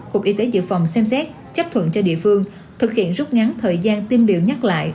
cục y tế dự phòng xem xét chấp thuận cho địa phương thực hiện rút ngắn thời gian tiêm điều nhắc lại